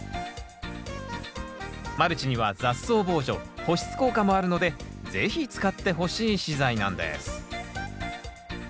マルチには雑草防除保湿効果もあるので是非使ってほしい資材なんです